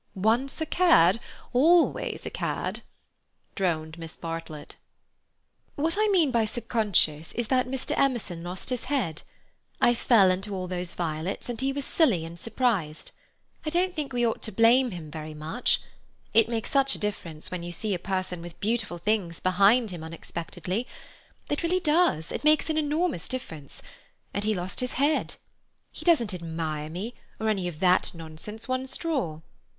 "Once a cad, always a cad," droned Miss Bartlett. "What I mean by subconscious is that Emerson lost his head. I fell into all those violets, and he was silly and surprised. I don't think we ought to blame him very much. It makes such a difference when you see a person with beautiful things behind him unexpectedly. It really does; it makes an enormous difference, and he lost his head: he doesn't admire me, or any of that nonsense, one straw.